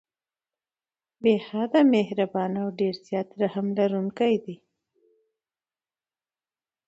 بې حده مهربان او ډير زيات رحم لرونکی دی